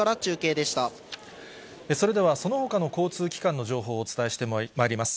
それでは、そのほかの交通機関の情報をお伝えしてまいります。